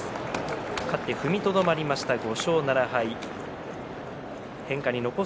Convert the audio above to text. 勝って踏みとどまりました５勝７敗です。